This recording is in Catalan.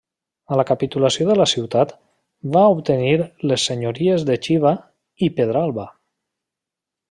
A la capitulació de la ciutat, va obtenir les senyories de Xiva i Pedralba.